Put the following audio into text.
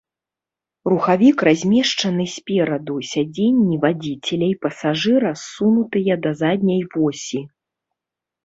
Рухавік размешчаны спераду, сядзенні вадзіцеля і пасажыра ссунутыя да задняй восі.